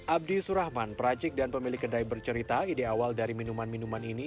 abdi surahman perajik dan pemilik kedai bercerita ide awal dari minuman minuman ini